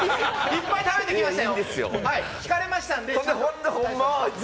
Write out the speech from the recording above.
しっかり食べてきました。